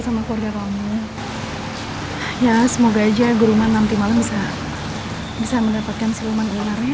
sama keluarga kamu ya semoga aja gurunya nanti malam bisa bisa mendapatkan siluman ularnya